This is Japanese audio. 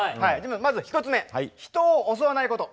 まず１つ目人を襲わないこと。